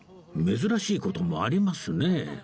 珍しい事もありますね